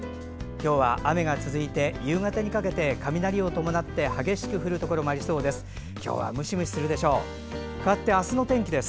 今日は雨が続いて、夕方にかけて雷を伴って激しく降るところもありそうです。